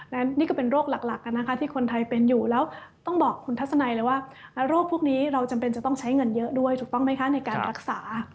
และนี่ก็เป็นโรคหลักนะคะที่คนไทยเป็นอยู่แล้วต้องบอกคุณทัศนัยเลยว่าโรคพวกนี้เราจำเป็นจะต้องใช้เงินเยอะด้วยถูกต้องไหมคะในการรักษา